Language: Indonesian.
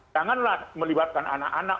janganlah melibatkan anak anak